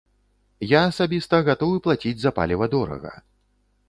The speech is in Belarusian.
Я асабіста гатовы плаціць за паліва дорага.